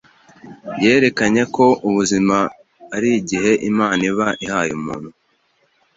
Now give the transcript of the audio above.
Yerekanye ko ubu buzima ari igihe Imana iba ihaye umuntu